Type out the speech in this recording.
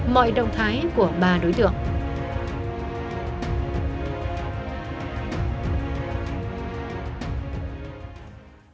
mọi động thái của mũi hàng